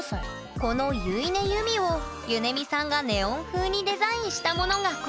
この結音ゆみをゆねみさんがネオン風にデザインしたものがこちら。